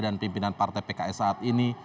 dan pimpinan partai pks saat ini